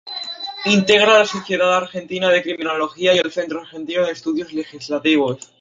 Integra la Sociedad Argentina de Criminología y el Centro Argentino de Estudios Legislativos.